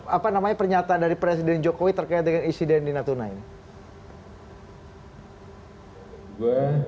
apa namanya pernyataan dari presiden jokowi terkait dengan insiden di natuna ini